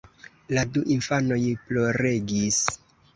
La du infanoj ploregis.